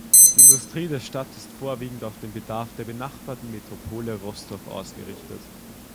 Die Industrie der Stadt ist vorwiegend auf den Bedarf der benachbarten Metropole Rostow ausgerichtet.